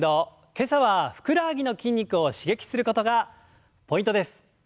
今朝はふくらはぎの筋肉を刺激することがポイントです。